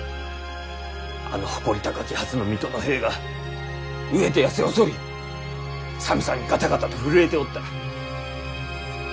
あの誇り高きはずの水戸の兵が飢えてやせ細り寒さにガタガタと震えておった。